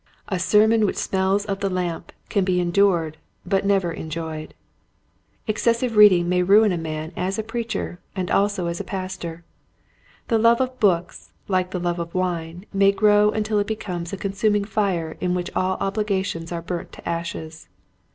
A sermon which smells of the lamp can be endured but never enjoyed. Excessive reading may ruin a man as a preacher and also as a pastor. The love of books like the love of wine may grow until it becomes a consuming fire in which all obligations are burnt to ashes.